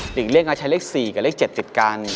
หลีกเรียกการใช้เลข๔กับเลข๗ติดกัน